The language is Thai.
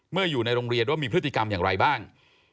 อยู่ในโรงเรียนว่ามีพฤติกรรมอย่างไรบ้าง